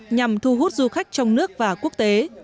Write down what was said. nhằm thu hút du khách trong nước và quốc tế